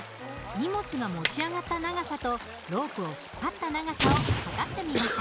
荷物が持ち上がった長さとロープを引っ張った長さを測ってみました。